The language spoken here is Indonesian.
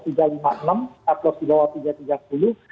cut loss di bawah tiga tiga ratus